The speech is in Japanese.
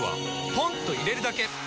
ポンと入れるだけ！